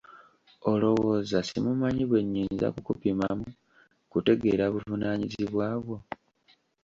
olowooza simumanyi bwe nnyinza kukupikamu kutegeera buvunaanyizibwabwo